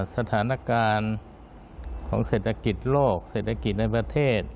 สถานการณ์ของเศรษฐกิจโลกเศรษฐกิจในประเทศ